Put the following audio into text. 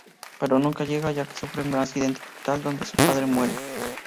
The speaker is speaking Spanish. Pero nunca llega ya que sufre un accidente fatal donde su padre muere.